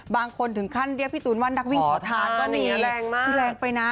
บางคนถึงขั้นเรียกพี่ตูนว่านักวิ่งขอทานก็แรงไปนะ